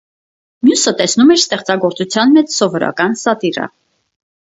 Մյուսը տեսնում էր ստեղծագործության մեջ սովորական սատիրա։